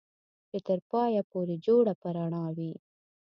چې تر پايه پورې جوړه په رڼا وي